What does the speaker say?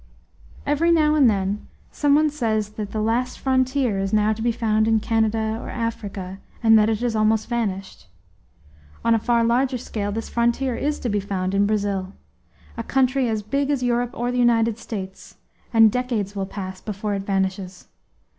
Every now and then some one says that the "last frontier" is now to be found in Canada or Africa, and that it has almost vanished. On a far larger scale this frontier is to be found in Brazil a country as big as Europe or the United States and decades will pass before it vanishes.